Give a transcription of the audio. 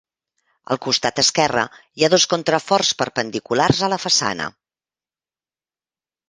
Al costat esquerre hi ha dos contraforts perpendiculars a la façana.